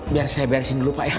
biar saya beresin dulu pak ya